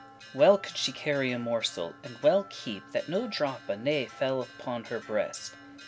Well could she carry a morsel, and well keep, That no droppe ne fell upon her breast.